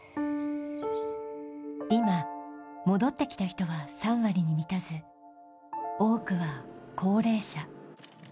今、戻ってきた人は３割に満たず、多くは高齢者。